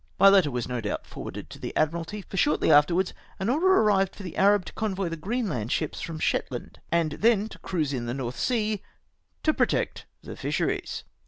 My letter was no doubt forwarded to the Admiralty, for shortly afterwards an order arrived for the Arab to convoy the Greenland ships from Shetland, and then to cruise in the North Sea, to protect the fisheries.